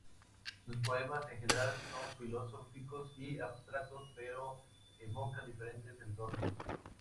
Sus poemas en general son filosóficos y abstractos, pero evocan diferentes entornos.